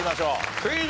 クイズ。